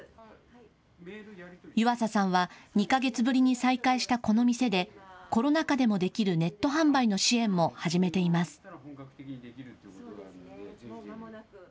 湯浅さんは２か月ぶりに再開したこの店でコロナ禍でもできるネット販売の支援も始めています。